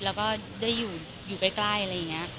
แล้วก็ได้อยู่ใกล้อะไรอย่างนี้